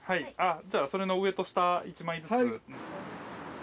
じゃあそれの上と下１枚ずつ。